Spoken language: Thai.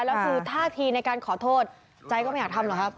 แล้วคือท่าทีในการขอโทษใจก็ไม่อยากทำหรอกครับ